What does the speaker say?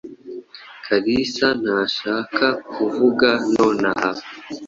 Kalisa ntashaka kuvuga nonaha.